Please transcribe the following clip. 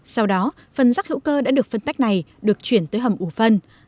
sau đó phần rác hữu cơ đã được phân tách này được chuyển tới hầm ủ phân